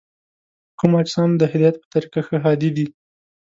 کوم اجسام د هدایت په طریقه ښه هادي دي؟